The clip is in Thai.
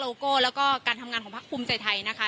โก้แล้วก็การทำงานของพักภูมิใจไทยนะคะ